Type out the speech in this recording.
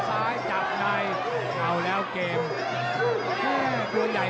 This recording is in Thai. กาดเกมสีแดงเดินแบ่งมูธรุด้วย